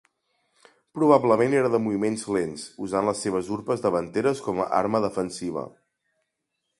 Probablement era de moviments lents, usant les seves urpes davanteres com a arma defensiva.